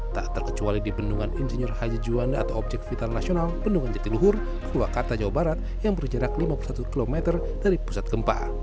tak terkecuali di bendungan insinyur haji juanda atau objek vital nasional bendungan jatiluhur purwakarta jawa barat yang berjarak lima puluh satu km dari pusat gempa